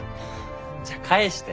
じゃ返して。